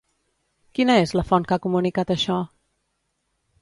Quina és la font que ha comunicat això?